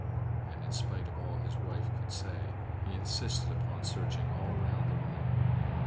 And, in spite of all his wife could say, he insisted upon searching all round the room.